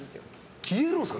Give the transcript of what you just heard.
消えるんすか？